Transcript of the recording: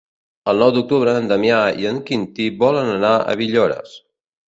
El nou d'octubre na Damià i en Quintí volen anar a Villores.